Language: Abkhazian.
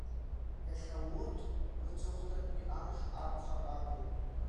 Иахьа урҭ рҵыхәтәантәи амш акәхар акәын.